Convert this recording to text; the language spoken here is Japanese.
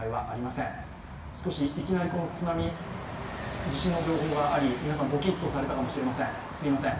いきなり津波、地震の情報があり、皆さんドキッとされたかもしれません。